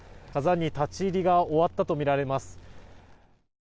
「ＫＡＺＵ１」の立ち入りが終わったとみられます。